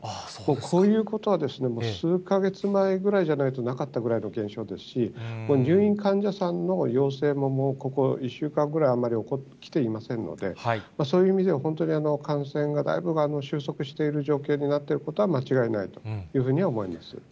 こういうことは、数か月前ぐらいじゃないとなかったぐらいの現象ですし、入院患者さんの陽性も、ここ１週間ぐらい、あんまり起こってきていませんので、そういう意味では本当に感染がだいぶ収束している状況になっていることは間違いないというふうに思います。